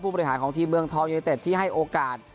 บริหารของทีมเมืองทองยูเนเต็ดที่ให้โอกาส